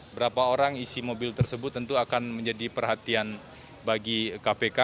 berapa orang isi mobil tersebut tentu akan menjadi perhatian bagi kpk